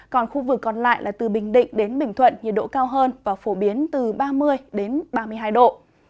còn khu vực còn lại là từ bình định đến bình thuận nhiệt độ cao hơn và phổ biến từ ba mươi ba mươi hai độ